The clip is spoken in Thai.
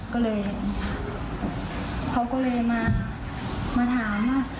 ก็เลยเขาก็เลยมาถามว่า